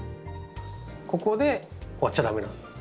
ここで終わっちゃ駄目なんです。